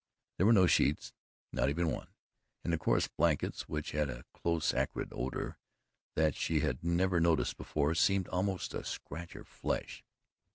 There were no sheets not even one and the coarse blankets, which had a close acrid odour that she had never noticed before, seemed almost to scratch her flesh.